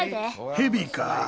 ヘビか。